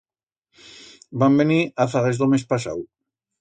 Van venir a zaguers d'o mes pasau.